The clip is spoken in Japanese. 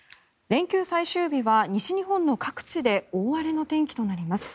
連休最終日は西日本の各地で大荒れの天気となります。